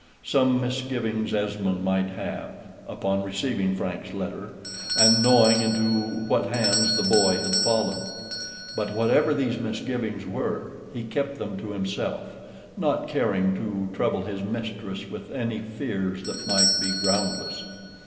Some misgivings Esmond might have, upon receiving Frank's letter, and knowing into what hands the boy had fallen; but whatever these misgivings were, he kept them to himself, not caring to trouble his mistress with any fears that might be groundless.